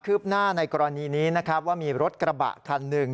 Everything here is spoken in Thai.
ืบหน้าในกรณีนี้นะครับว่ามีรถกระบะคันหนึ่ง